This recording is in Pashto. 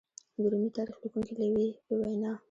د رومي تاریخ لیکونکي لېوي په وینا